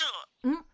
ん？